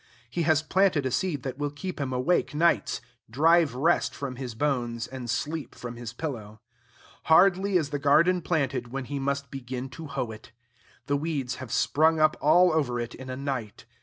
He has planted a seed that will keep him awake nights; drive rest from his bones, and sleep from his pillow. Hardly is the garden planted, when he must begin to hoe it. The weeds have sprung up all over it in a night.